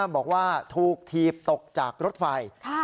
บอกว่าถูกถีบตกจากรถไฟ